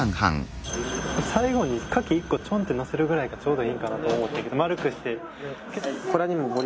最後に牡蠣１個ちょんってのせるぐらいがちょうどいいんかなと思ったけど丸くして。